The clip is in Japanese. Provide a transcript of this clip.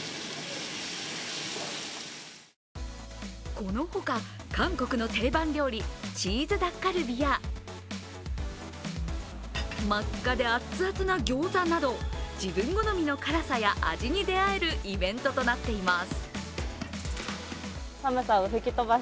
この他、韓国の定番料理チーズダッカルビや真っ赤で熱々なギョーザなど自分好みの辛さや味に出会えるイベントとなっています。